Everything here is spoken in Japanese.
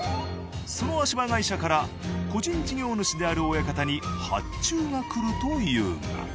その足場会社から個人事業主である親方に発注が来るというが。